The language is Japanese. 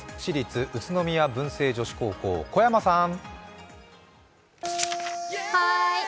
宇都宮文星女子高校、古山さん。